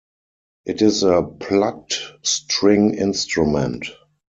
It is a plucked string instrument.